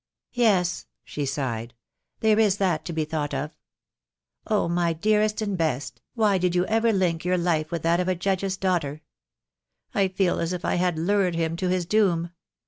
"Yes," she sighed, "there is that to be thought of. Oh, my dearest and best, why did you ever link your life with that of a Judge's daughter? I feel as if I had lured him to his doom.